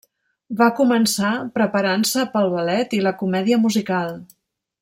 Va començar preparant-se pel ballet i la comèdia musical.